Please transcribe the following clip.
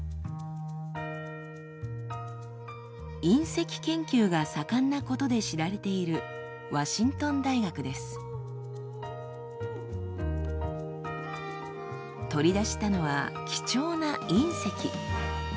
隕石研究が盛んなことで知られている取り出したのは貴重な隕石。